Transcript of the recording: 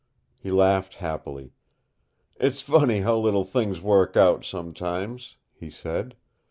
He laughed happily. "It's funny how little things work out, sometimes," he said.